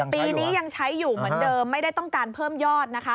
ปีนี้ยังใช้อยู่เหมือนเดิมไม่ได้ต้องการเพิ่มยอดนะคะ